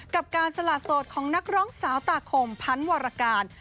กับการสละโสดของนักร้องสาวตาคมพันวรการ